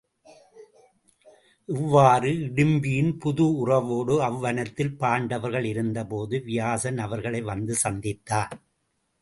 இவ்வாறு இடிம்பியின் புது உறவோடு அவ்வனத்தில் பாண்டவர்கள் இருந்தபோது வியாசன் அவர்களை வந்து சந்தித்தான்.